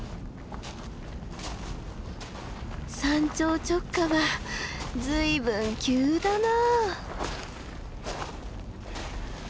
山頂直下は随分急だな。